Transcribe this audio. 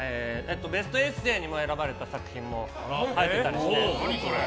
ベストエッセーにも選ばれた作品も入っていたりして。